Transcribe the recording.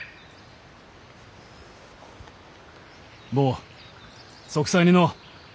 坊息災にのう。